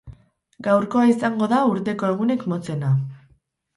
Gaurkoa izango da urteko egunik motzena.